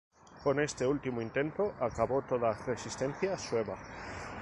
Con este último intento acabó toda resistencia sueva.